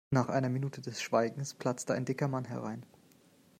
Nach einer Minute des Schweigens platzte ein dicker Mann herein.